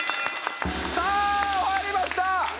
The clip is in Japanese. さあ終わりました